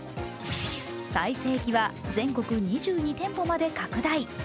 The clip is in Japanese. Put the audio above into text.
最盛期は全国２２店舗まで拡大。